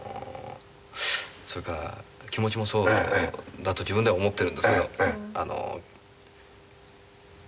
それから気持ちもそうだと自分では思ってるんですけど。